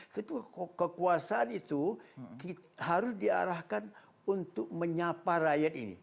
tapi kekuasaan itu harus diarahkan untuk menyapa rakyat ini